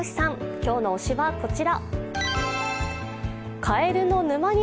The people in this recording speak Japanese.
今日の推しはこちら。